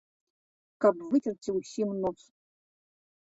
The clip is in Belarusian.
Каб выцерці ўсім нос.